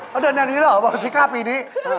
ก็เดินแบบนี้เหรอบังชีก้าปีนี้